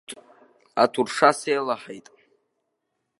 Аҭурша сеилаҳаит.